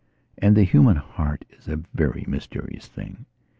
And the human heart is a very mysterious thing.